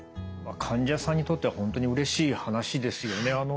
患者さんにとっては本当にうれしい話ですよね。